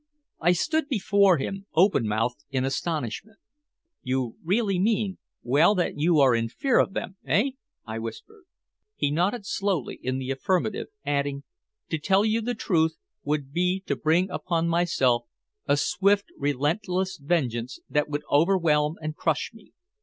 I stood before him, open mouthed in astonishment. "You really mean well, that you are in fear of them eh?" I whispered. He nodded slowly in the affirmative, adding: "To tell you the truth would be to bring upon myself a swift, relentless vengeance that would overwhelm and crush me.